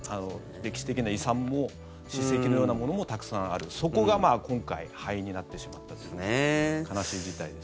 歴史的な遺産も史跡のようなものもたくさんあるそこが今回灰になってしまったということで悲しい事態です。